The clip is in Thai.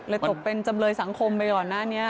เลยตกเป็นจำเลยสังคมไปก่อนนะเนี่ย